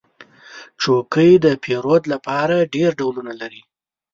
چوکۍ د پیرود لپاره ډېر ډولونه لري.